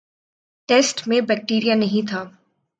test میں bacteria نہیں تھا